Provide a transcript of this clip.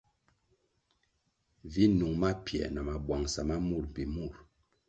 Vi nung mapiē na mabwangʼsa ma mur mbpi murʼ.